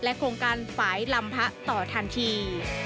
โครงการฝ่ายลำพระต่อทันที